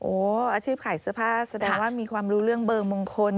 อาชีพขายเสื้อผ้าแสดงว่ามีความรู้เรื่องเบอร์มงคล